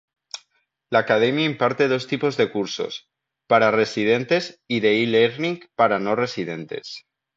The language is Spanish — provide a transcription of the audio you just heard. La Academia imparte dos tipos de cursos: para Residentes y de E-Learning, para no-residentes.